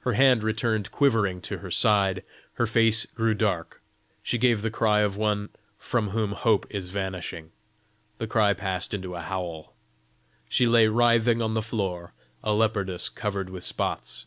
Her hand returned quivering to her side. Her face grew dark. She gave the cry of one from whom hope is vanishing. The cry passed into a howl. She lay writhing on the floor, a leopardess covered with spots.